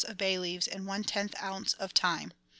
of bay leaves, and one tenth oz. of thyme.